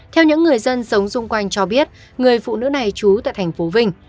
theo những người dân sống xung quanh cho biết người phụ nữ này trú tại thành phố vinh